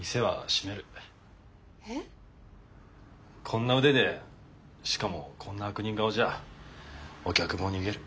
こんな腕でしかもこんな悪人顔じゃお客も逃げる。